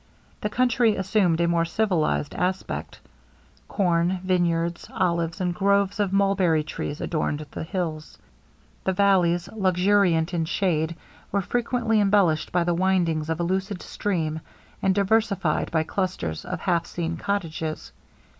The country assumed a more civilized aspect. Corn, vineyards, olives, and groves of mulberry trees adorned the hills. The vallies, luxuriant in shade, were frequently embellished by the windings of a lucid stream, and diversified by clusters of half seen cottages.